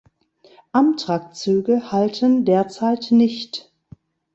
Amtrak-Züge halten derzeit nicht.